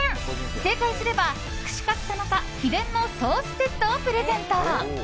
正解すれば、串カツ田中秘伝のソースセットをプレゼント。